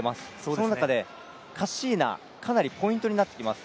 その中でカッシーナ、かなりポイントになってきます。